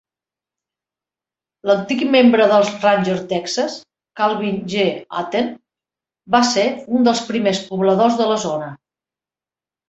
L'antic membre dels Ranger Texas, Calvin G. Aten, va ser un dels primers pobladors de la zona.